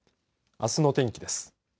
あすの天気です。